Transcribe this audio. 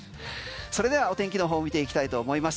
それではお天気のほうを見ていきたいと思います。